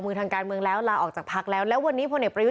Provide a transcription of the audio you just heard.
ทางการเมืองแล้วลาออกจากพักแล้วแล้ววันนี้พลเอกประยุทธ์